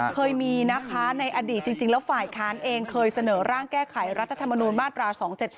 เคยมีนะคะในอดีตจริงแล้วฝ่ายค้านเองเคยเสนอร่างแก้ไขรัฐธรรมนูญมาตรา๒๗๒